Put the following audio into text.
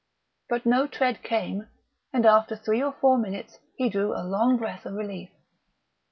But no tread came, and after three or four minutes he drew a long breath of relief.